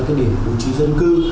các địa phương chí dân cư